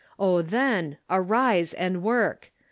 O, then, arise and work